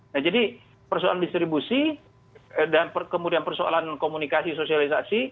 nah jadi persoalan distribusi dan kemudian persoalan komunikasi sosialisasi